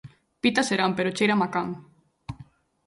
Pitas serán pero chéirame a can!